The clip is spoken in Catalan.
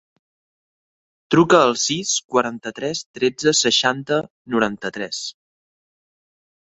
Truca al sis, quaranta-tres, tretze, seixanta, noranta-tres.